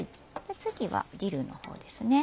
次はディルの方ですね。